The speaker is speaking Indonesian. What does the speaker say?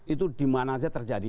itu dimana saja terjadi